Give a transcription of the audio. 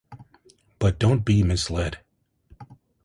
But don't be misled.